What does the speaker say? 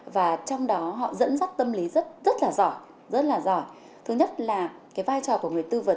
và trong đó họ dẫn dắt tâm lý rất rất là giỏi rất là giỏi thứ nhất là cái vai trò của người tư vấn